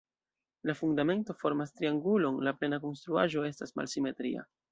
La fundamento formas triangulon, la plena konstruaĵo estas malsimetria.